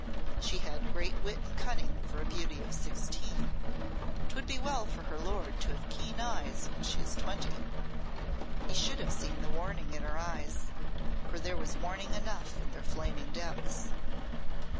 She had great wit and cunning for a beauty of sixteen. 'Twould be well for her lord to have keen eyes when she is twenty." He should have seen the warning in her eyes, for there was warning enough in their flaming depths.